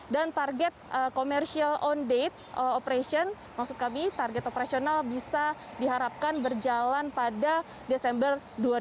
dan target commercial on date operation maksud kami target operasional bisa diharapkan berjalan pada desember dua ribu dua puluh dua